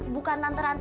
bukan tante rantian asli